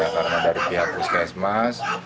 karena dari pihak puskesmas